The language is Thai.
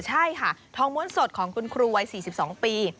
ใช่ค่ะทองม้วนสดของคุณครูวัย๔๒ปี